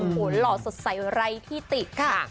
โอ้โหหล่อสดใสไร้ที่ติด